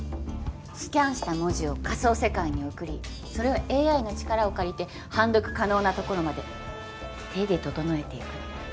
スキャンした文字を仮想世界に送りそれをＡＩの力を借りて判読可能なところまで手で整えていくの。